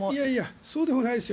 そうでもないですよ。